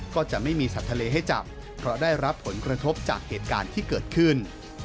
ก็จะไม่มีสัตว์ทะเลให้จับเพราะได้รับผลกระทบจากเหตุการณ์ที่เกิดขึ้น